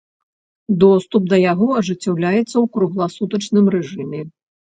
Доступ да яго ажыццяўляецца ў кругласутачным рэжыме.